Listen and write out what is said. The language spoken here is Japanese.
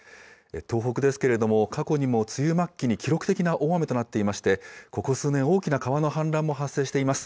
東北ですけれども、過去にも梅雨末期に記録的な大雨となっていまして、ここ数年、大きな川の氾濫も発生しています。